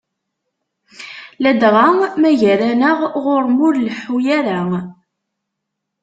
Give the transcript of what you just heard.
Ladɣa ma gar-aneɣ ɣur-m ur leḥḥu ara.